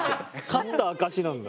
勝った証しなんだ。